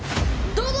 どうぞ。